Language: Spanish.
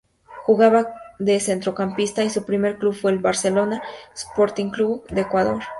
Jugaba de centrocampista y su primer club fue el Barcelona Sporting Club de Ecuador.